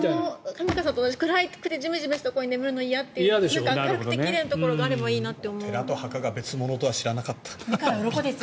玉川さんみたいに暗くてジメジメしたところに眠るの嫌明るくて奇麗なところがあればいいなって。